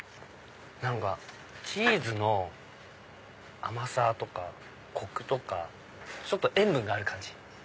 何かチーズの甘さとかコクとかちょっと塩分がある感じ。